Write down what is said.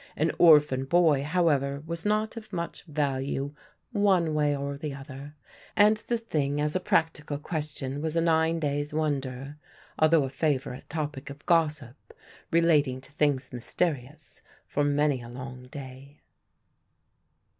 An orphan boy, however, was not of much value one way or the other, and the thing as a practical question was a nine days' wonder; although a favourite topic of gossip, relating to things mysterious, for many a long day.